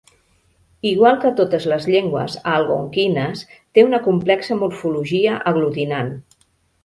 Igual que totes les llengües algonquines, té una complexa morfologia aglutinant.